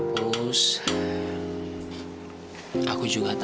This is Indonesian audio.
atau berpindah dengan uncertainty